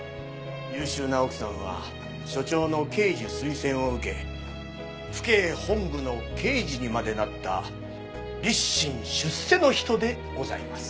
優秀な奥さんは署長の刑事推薦を受け府警本部の刑事にまでなった立身出世の人でございます。